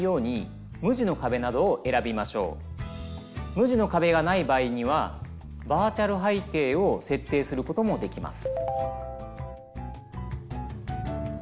無地のかべがない場合にはバーチャル背景を設定することもできます。